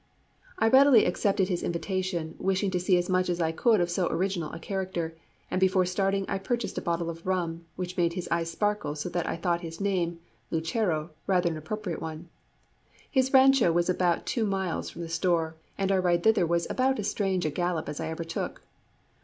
I readily accepted his invitation, wishing to see as much as I could of so original a character, and before starting I purchased a bottle of rum, which made his eyes sparkle so that I thought his name Lucero rather an appropriate one. His rancho was about two miles from the store, and our ride thither was about as strange a gallop as I ever took.